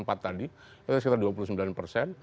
sebut empat tadi itu sekitar dua puluh sembilan persen